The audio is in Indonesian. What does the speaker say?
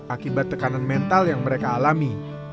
akibat tekanan mental yang mereka alami